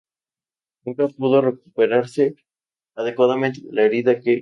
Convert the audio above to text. Nunca pudo recuperarse adecuadamente de la herida que sufrió en Las Tunas.